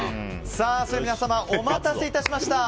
それではお待たせいたしました。